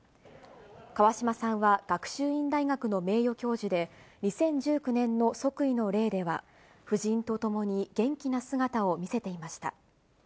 川嶋さんは学習院大学の名誉教授で、２０１９年の即位の礼では、夫人と共に元気な姿を見せていました。